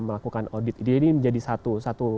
melakukan audit jadi ini menjadi satu